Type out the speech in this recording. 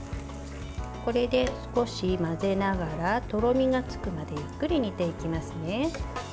これで少し混ぜながらとろみがつくまでゆっくり煮ていきますね。